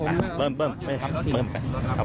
เสียงของหนึ่งในผู้ต้องหานะครับ